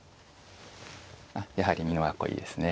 あっやはり美濃囲いですね。